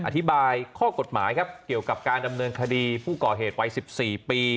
อธิบายข้อกฎหมายครับเกี่ยวกับการดำเนินคดีผู้ก่อเหตุวัย๑๔ปี